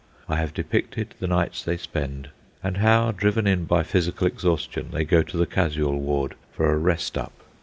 I have depicted the nights they spend, and how, driven in by physical exhaustion, they go to the casual ward for a "rest up."